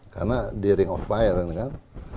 karena di ring of fire kan